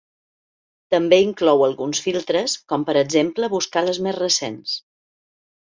També inclou alguns filtres, com per exemple buscar les més recents.